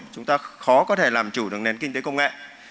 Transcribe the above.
chúng ta khó có thể làm chủ được nền kinh tế công nghệ